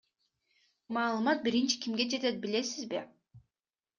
Маалымат биринчи кимге жетет, билесизби?